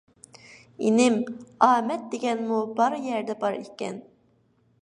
ئىنىم، ئامەت دېگەنمۇ بار يەردە بار ئىكەن.